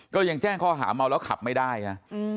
ก็ยังแจ้งข้อหาเมาแล้วขับไม่ได้นะ